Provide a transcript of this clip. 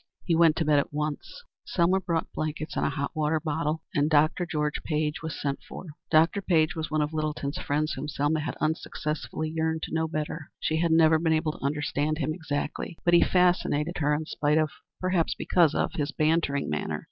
He went to bed at once; Selma brought blankets and a hot water bottle, and Dr. George Page was sent for. Dr. Page was the one of Littleton's friends whom Selma had unsuccessfully yearned to know better. She had never been able to understand him exactly, but he fascinated her in spite of perhaps because of his bantering manner.